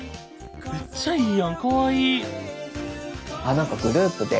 めっちゃいいやんかわいい。